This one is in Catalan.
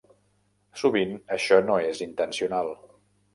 Sovint, això no és intencional.